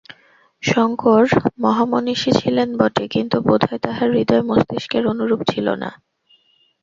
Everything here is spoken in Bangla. শঙ্কর মহামনীষী ছিলেন বটে, কিন্তু বোধ হয় তাঁহার হৃদয় মস্তিষ্কের অনুরূপ ছিল না।